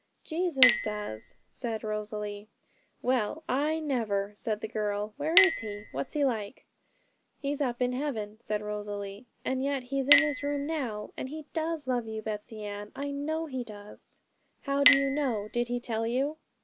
'Jesus does,' said Rosalie. 'Well, I never!' said the girl. 'Where is He? what's He like?' 'He's up in heaven,' said Rosalie, 'and yet He's in this room now, and He does love you, Betsey Ann; I know He does.' 'How do you know? did He tell you?'